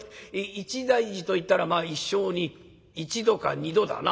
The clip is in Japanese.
一大事といったらまあ一生に１度か２度だな。